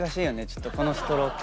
ちょっとこのストローク。